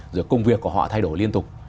rồi công việc của họ thay đổi liên tục